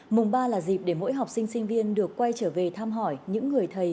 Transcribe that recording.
mùng ba là dịp để mỗi học sinh sinh viên được quay trở về thăm hỏi những người thầy